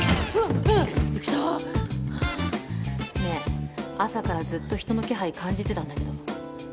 ねぇ朝からずっと人の気配感じてたんだけど。